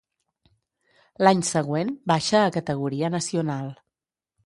L'any següent baixà a categoria nacional.